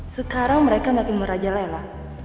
sekarang mereka makin merajalela